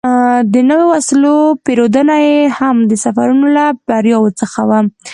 د نویو وسلو پېرودنه یې هم د سفرونو له بریاوو څخه وه.